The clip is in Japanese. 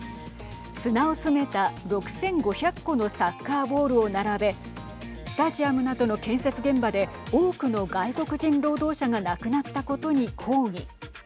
砂を詰めた６５００個のサッカーボールを並べスタジアムなどの建設現場で多くの外国人労働者が亡くなったことに抗議。